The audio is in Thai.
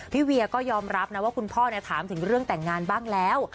เวียก็ยอมรับนะว่าคุณพ่อถามถึงเรื่องแต่งงานบ้างแล้ว